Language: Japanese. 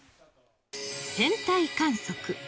天体観測。